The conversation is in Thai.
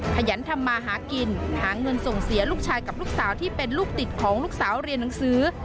ขยันทำมาหากินหาเงินส่งเสียลูกชายกับลูกสาวที่เป็นลูกติดของลูกสาวเรียนหนังสือ